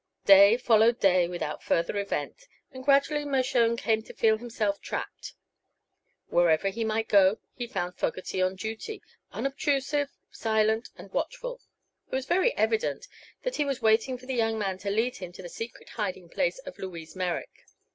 Day followed day without further event, and gradually Mershone came to feel himself trapped. Wherever he might go he found Fogerty on duty, unobtrusive, silent and watchful. It was very evident that he was waiting for the young man to lead him to the secret hiding place of Louise Merrick.